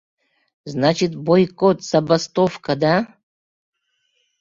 Значит, бойкот, забастовка, да?!